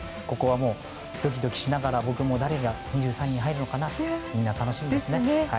ここはもうドキドキしながら僕も誰が２３人に入るのかなと楽しみですね。